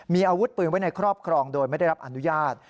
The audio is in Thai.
มีอาวุธปืนไว้ในครอบครองโดยไม่ได้รับอนุญาต